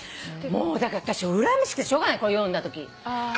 だから私うらやましくてしょうがないこれ読んだとき。